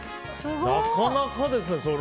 なかなかですね！